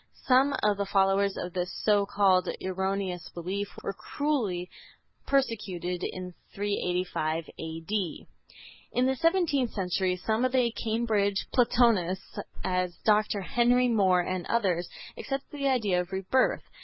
Some of the followers of this so called erroneous belief were cruelly persecuted in 385 A.D. In the seventeenth century some of the Cambridge Platonists, as Dr. Henry More and others, accepted the idea of rebirth.